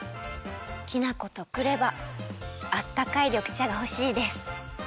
きな粉とくればあったかいりょくちゃがほしいです。